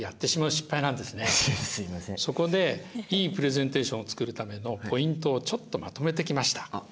そこでいいプレゼンテーションを作るためのポイントをちょっとまとめてきました。